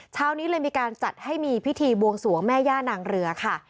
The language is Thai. เช้านี้เลยมีการจัดให้มีพิธีบวงสวงแม่ย่านางเรือค่ะ